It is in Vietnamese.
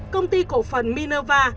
công ty cổ phần minerva